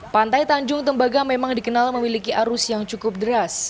pantai tanjung tembaga memang dikenal memiliki arus yang cukup deras